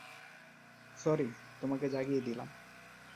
Sorry, তোমাকে জাগিয়ে দিলাম।